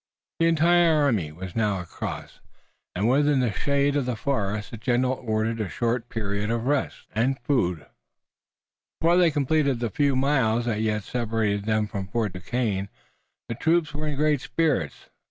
The entire army was now across, and, within the shade of the forest, the general ordered a short period for rest and food, before they completed the few miles that yet separated them from Fort Duquesne. The troops were in great spirits.